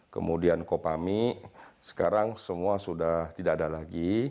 kemudian kopami sekarang semua sudah tidak ada lagi